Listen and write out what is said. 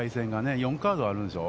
４カードあるんでしょう？